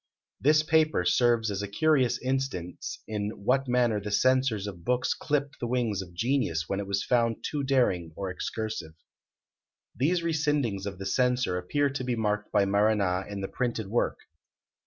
This paper serves as a curious instance in what manner the censors of books clipped the wings of genius when it was found too daring or excursive. These rescindings of the Censor appear to be marked by Marana in the printed work.